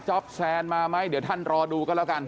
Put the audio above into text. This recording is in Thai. แซนมาไหมเดี๋ยวท่านรอดูกันแล้วกัน